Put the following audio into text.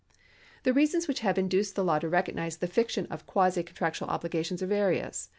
The reasons which have induced the law to recognise the fiction of quasi contractual obligation are various.